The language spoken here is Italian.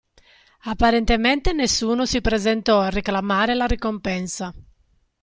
Apparentemente nessuno si presentò a reclamare la ricompensa.